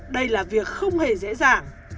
đây là việc không hề dễ dàng